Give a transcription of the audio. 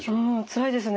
つらいですね。